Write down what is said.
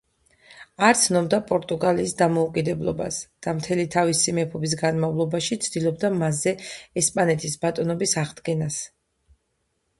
არ ცნობდა პორტუგალიის დამოუკიდებლობას და მთელი თავისი მეფობის განმავლობაში ცდილობდა მასზე ესპანეთის ბატონობის აღდგენას.